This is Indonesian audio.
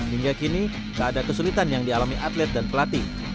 hingga kini tak ada kesulitan yang dialami atlet dan pelatih